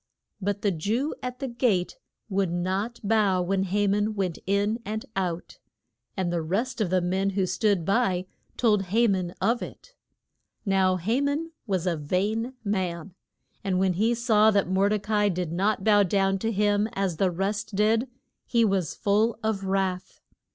But the Jew at the gate would not bow when Ha man went in and out. And the rest of the men who stood by told Ha man of it. Now Ha man was a vain man, and when he saw that Mor de ca i did not bow to him as the rest did he was full of wrath.